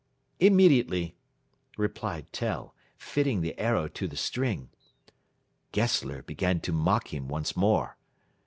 "Immediately," replied Tell, fitting the arrow to the string. Gessler began to mock him once more.